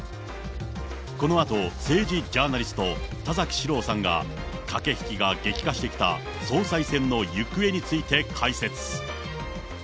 このあと、政治ジャーナリスト、田崎史郎さんが、駆け引きが激化してきた総裁選の行方について解説。